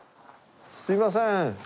すいません。